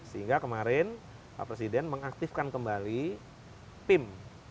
sehingga kemarin pak presiden mengaktifkan kembali tim